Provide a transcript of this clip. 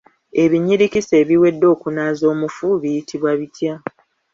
Ebinyirikisi ebiwedde okunaaza omufu biyitibwa bitya?